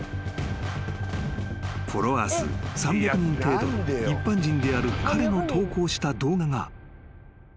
［フォロワー数３００人程度の一般人である彼の投稿した動画が何と］